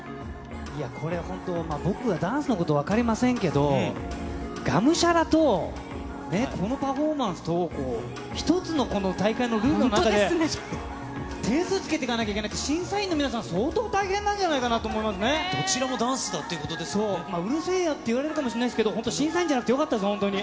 いやこれ、本当、僕はダンスのこと分かりませんけど、我無沙羅とね、このパフォーマンスとを、１つのこの大会のルールの中で、点数つけてかなきゃいけないって、審査員の皆さん、相当大変なんじどちらもダンスだっていうこそう、うるせえよって言われるかもしれないですけど、本当、審査員じゃなくてよかったです、本当に。